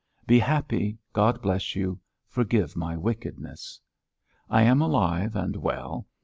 "Be happy. God bless you. Forgive my wickedness. "I am alive and well.